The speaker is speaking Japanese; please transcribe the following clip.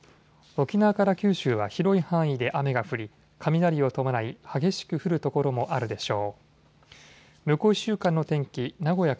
沖縄から九州は広い範囲で雨が降り雷を伴い激しく降る所もあるでしょう。